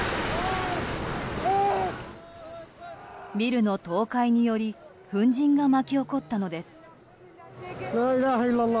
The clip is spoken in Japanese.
ビルの倒壊により粉じんが巻き起こったのです。